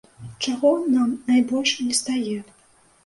Чаго нам найбольш нестае?